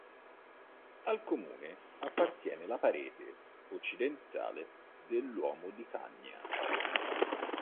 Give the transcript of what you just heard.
Al comune appartiene la parete occidentale dell'Uomo di Cagna.